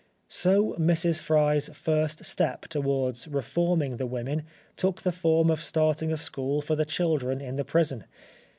So Mrs. Fry's first step towards reforming the women took the form of starting a school for the children in the prison.